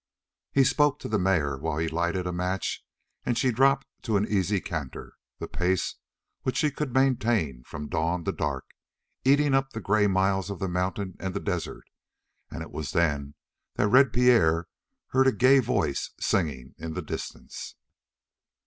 He spoke to the mare while he lighted a match and she dropped to an easy canter, the pace which she could maintain from dawn to dark, eating up the gray miles of the mountain and the desert, and it was then that Red Pierre heard a gay voice singing in the distance.